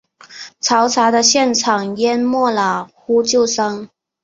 嘈杂的现场淹没了呼救声。